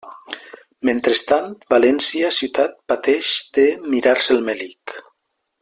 Mentrestant, València ciutat pateix de «mirar-se el melic».